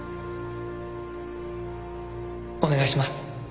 お願いします。